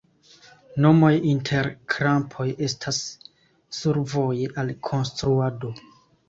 Nomoj inter krampoj estas survoje al konstruado.